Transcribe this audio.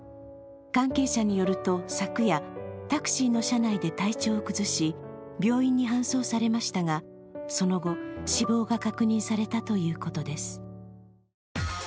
関係者によると、昨夜タクシーの車内で体調を崩し病院に搬送されましたが、その後、死亡が確認されたということです。